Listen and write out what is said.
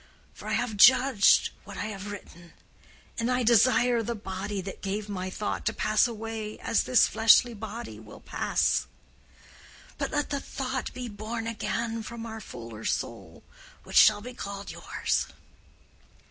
For I have judged what I have written, and I desire the body that I gave my thought to pass away as this fleshly body will pass; but let the thought be born again from our fuller soul which shall be called yours."